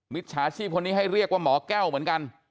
จฉาชีพคนนี้ให้เรียกว่าหมอแก้วเหมือนกัน